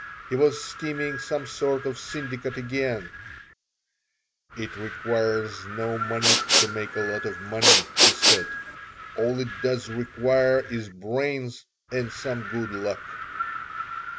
He was scheming some sort of syndicate again "It requires no money to make a lot of money," he said. "All it does require is brains and some good luck."